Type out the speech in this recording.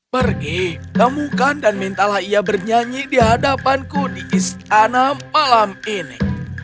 pergi temukan dan mintalah ia bernyanyi di hadapanku di istana malam ini